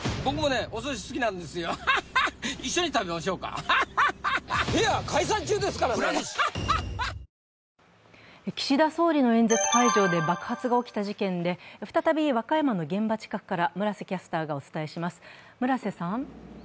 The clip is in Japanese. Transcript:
颯颯アサヒの緑茶「颯」岸田総理の演説会場で爆発が起きた事件で再び和歌山の現場近くから村瀬キャスターがお伝えします。